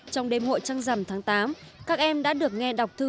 trong đêm hội trăng rằm tháng tám các em đã được nghe đọc thư